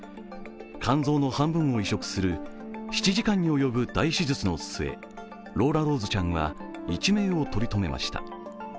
肝臓の半分を移植する７時間に及ぶ大手術の末ローラローズちゃんは一命を取りとめました。